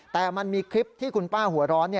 แต่มันมีคลิปที่คุณป้าหัวร้อน